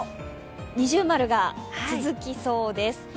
二重丸が続きそうです。